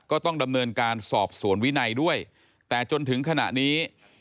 ก็ต้องดำเนินการสอบสวนวินัยด้วยแต่จนถึงขณะนี้